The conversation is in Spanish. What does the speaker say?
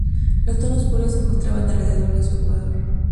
Los tonos puros se mostraban alrededor de su ecuador.